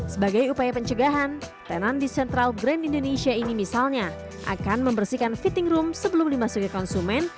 sebagai upaya pencegahan tenan di central grand indonesia ini misalnya akan membersihkan fitting room sebelum dimasuki konsumen